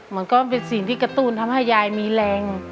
มันก็เป็นสิ่งที่กระตุ้นทำให้ยายมีแรง